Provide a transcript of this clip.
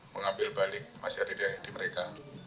mengambil balik masyarakat di mereka